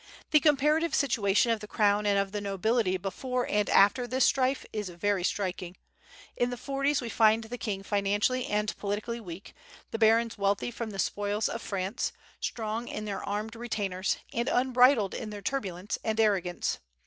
The comparative situation of the crown and of the nobility before and after this strife is very striking. In the forties we find the king financially and politically weak, the barons wealthy from the spoils of France, strong in their armed retainers, and unbridled in their turbulence and arrogance.